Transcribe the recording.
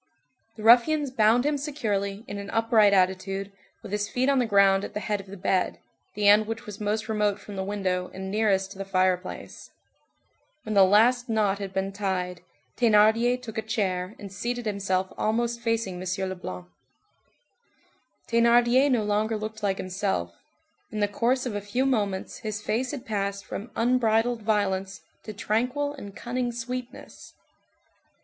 The ruffians bound him securely, in an upright attitude, with his feet on the ground at the head of the bed, the end which was most remote from the window, and nearest to the fireplace. When the last knot had been tied, Thénardier took a chair and seated himself almost facing M. Leblanc. Thénardier no longer looked like himself; in the course of a few moments his face had passed from unbridled violence to tranquil and cunning sweetness.